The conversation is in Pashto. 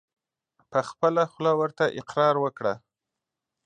په خپله خوله ورته اقرار وکړه !